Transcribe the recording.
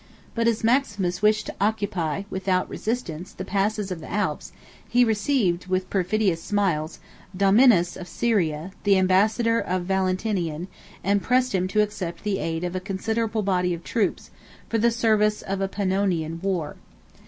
But as Maximus wished to occupy, without resistance, the passes of the Alps, he received, with perfidious smiles, Domninus of Syria, the ambassador of Valentinian, and pressed him to accept the aid of a considerable body of troops, for the service of a Pannonian war.